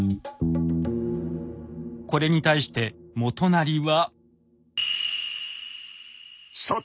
これに対して元就は。